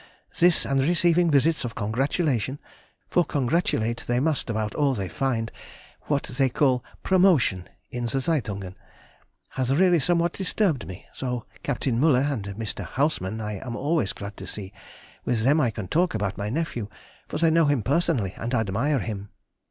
This, and receiving visits of congratulation (for congratulate they must about all they find—what they call promotion—in the Zeitungen) has really somewhat disturbed me, though Captain Müller and Mr. Hausmann I am always glad to see; with them I can talk about my nephew, for they know him personally, and admire him.